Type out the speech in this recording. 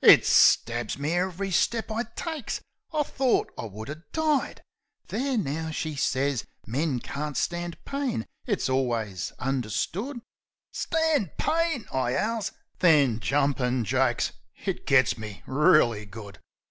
It stabs me every step I takes; I thort I would 'a' died. "There now," she sez. "Men can't stand pain, it's alwus understood." "Stand pain?" I 'owls. Then, Jumpin' Jakes! It gits me reely good!